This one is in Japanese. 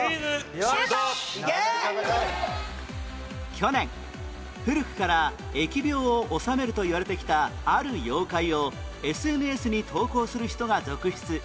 去年古くから疫病を治めるといわれてきたある妖怪を ＳＮＳ に投稿する人が続出